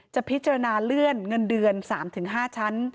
จะพิจารณาเลื่อนเงินเดือน๓๕ชั้น